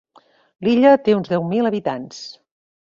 L'illa té uns deu mil habitants.